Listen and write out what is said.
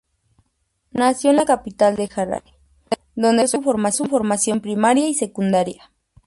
Nació en la capital Harare, donde recibió su formación primaria y secundaria.